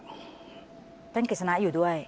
ก็เป็นกิจนาอยู่ด้วย